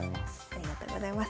ありがとうございます。